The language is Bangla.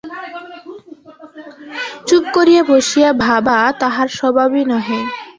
চুপ করিয়া বসিয়া ভাবা তাহার স্বভাবই নহে।